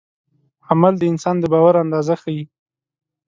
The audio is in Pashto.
عمل د انسان د باور اندازه ښيي.